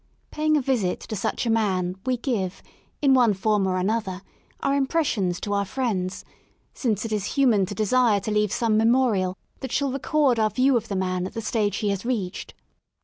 Paying a visit to such a man we give, in one form or another, our impressions to our friends : since it is human to de sire to leave some memorial that shall record our view of the man at the stage he has reached.